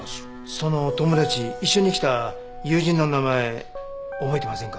その友達一緒に来た友人の名前覚えてませんか？